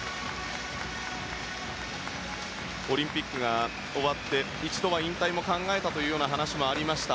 オリンピックが終わって一度は引退も考えたという話もありました。